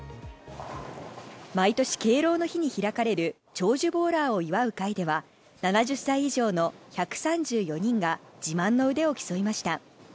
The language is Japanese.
毎年敬老の日に開かれる長寿ボウラーを祝う会では７０歳以上の１３４人が自慢の腕を競いました。